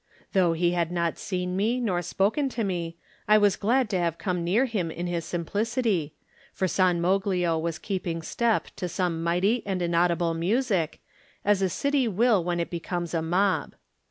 Though he had not seen me nor spoken to me, I was glad to have come near him in his simplicity, for San Moglio was keeping step to some mighty and inaudible music, as a city will when it becomes a mob.